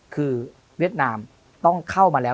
คือเวียดนามต้องเข้ามาแล้ว